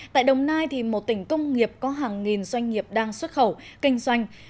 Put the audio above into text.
tại đồng nai một tỉnh công nghiệp có hàng nghìn doanh nghiệp đang xuất khẩu kinh doanh